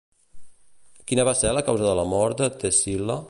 Quina va ser la causa de la mort de Ctesil·la?